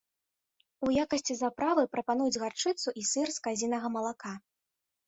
У якасці заправы прапануюць гарчыцу і сыр з казінага малака.